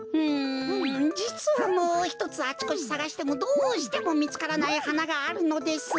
うんじつはもうひとつあちこちさがしてもどうしてもみつからないはながあるのです。